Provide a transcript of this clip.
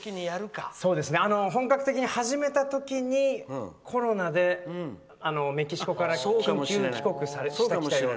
本格的に始めた時にコロナで、メキシコから緊急帰国してきて。